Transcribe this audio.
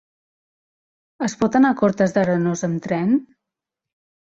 Es pot anar a Cortes d'Arenós amb tren?